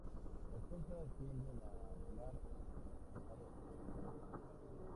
Las cosas tienden a volar hacia la pantalla de todos modos".